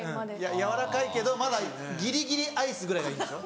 軟らかいけどまだギリギリアイスぐらいがいいんでしょ？